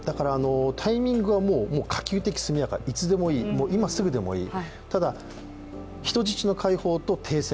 タイミングはもう、可及的速やかいつでもいい今すぐでもいい、ただ人質の解放と停戦